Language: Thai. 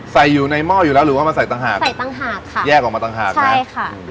ใส่อยู่ในหม้ออยู่แล้วหรือว่ามาใส่ต่างหากใส่ต่างหากค่ะแยกออกมาต่างหากนะใช่ค่ะ